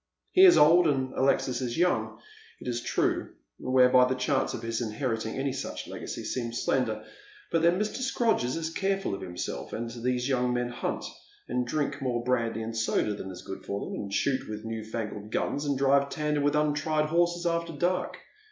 He is old, and Alexis is young, it is true, whereby the chances of his inheriting any such legacy seem slender. But then Mr. Scrodgers is careful of himself, and these young men hunt, and drink more brandy and soda than is good for them, and shoot with new fangled guns, and drive tandem with untried horses after dark.